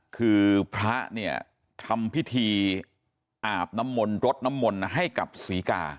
คือพระเนี่ยทำพิธีอาบน้ำมนต์รดน้ำมนต์ให้กับศรีกา